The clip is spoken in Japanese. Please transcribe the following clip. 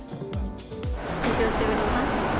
緊張しております。